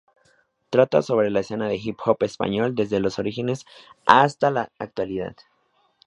Trata sobre la escena del hip hop español desde los orígenes hasta la actualidad.